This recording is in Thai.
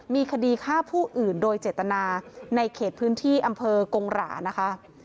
มีคดีฆ่าผู้อื่นโดยเจตนาในเขตพื้นที่อำเภอกงหรานะคะ